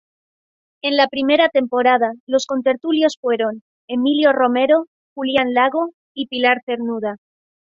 En la primera temporada los contertulios fueron Emilio Romero, Julián Lago y Pilar Cernuda.